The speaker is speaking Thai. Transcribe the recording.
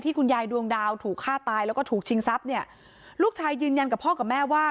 คุณยายดวงดาวถูกฆ่าตายแล้วก็ถูกชิงทรัพย์เนี่ยลูกชายยืนยันกับพ่อกับแม่ว่า